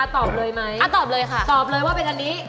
ตอบเลยไหมต่อเลยว่าเป็นอันนี้